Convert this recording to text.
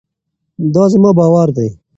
دا زما باور دی.